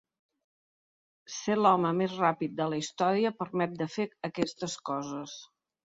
Ser l’home més ràpid de la història permet de fer aquestes coses.